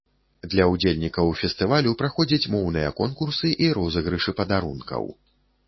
Для ўдзельнікаў фестывалю праходзяць моўныя конкурсы і розыгрышы падарункаў.